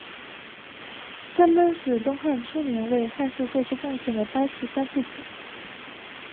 三班是东汉初年为汉室作出贡献的班氏三父子。